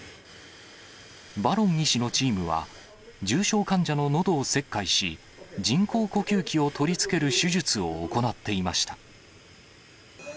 バロン医師のチームは、重症患者ののどを切開し、人工呼吸器を取り付ける手術を行っていました。